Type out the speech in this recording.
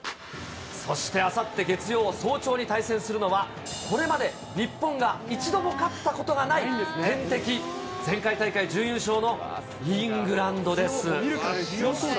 そして、あさって月曜早朝に対戦するのは、これまで日本が一度も勝ったことがない、天敵、前回大会準優勝のイングランドです。